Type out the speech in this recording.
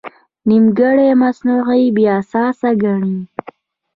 نیمګړی مصنوعي بې اساسه ګڼي.